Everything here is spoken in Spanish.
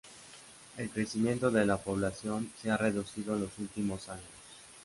El crecimiento de la población se ha reducido en los últimos años.